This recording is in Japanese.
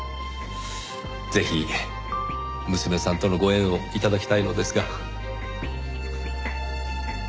ぜひ娘さんとのご縁を頂きたいのですが。